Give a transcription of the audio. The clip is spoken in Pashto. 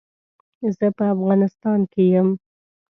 زه په افغانيستان کې يم.